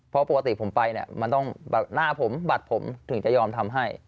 เพราะปกติผมไปเนี่ยมันต้องแบบหน้าผมบัตรผมถึงจะยอมทำให้